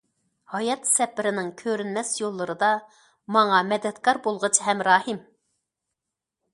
ھايات سەپىرىنىڭ كۆرۈنمەس يوللىرىدا ماڭا مەدەتكار بولغۇچى ھەمراھىم!